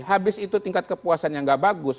habis itu tingkat kepuasan yang nggak bagus